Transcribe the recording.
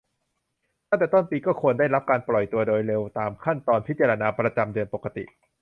ตั้งแต่ต้นปี ก็ควรได้รับการปล่อยตัวโดยเร็วตามขั้นตอนพิจารณาประจำเดือนปกติ